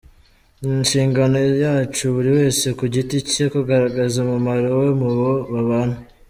Ni inshingano yacu buri wese ku giti cye kugaragaza umumaro we mu bo babana.